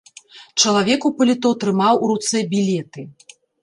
Чалавек у паліто трымаў у руцэ білеты.